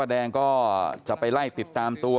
รู้จักอยู่บ้างครับ